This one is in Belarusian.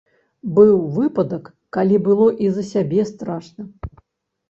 Быў выпадак, калі было і за сябе страшна.